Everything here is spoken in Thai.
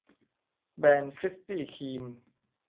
แบนคริสปี้ครีม